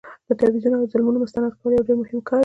د تبعیضونو او ظلمونو مستند کول یو ډیر مهم کار دی.